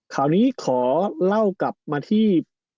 ข่าวนี้ขอเล่ากลับมาที่